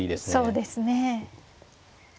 そうですね。